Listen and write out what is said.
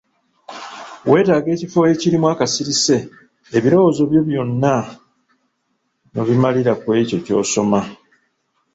Weetaaga ekifo ekirimu akasirise, ebirowoozo byo byonna n'obimalira kw'ekyo ky'osoma.